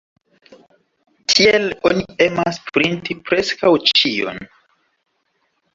Tiel oni emas printi preskaŭ ĉion.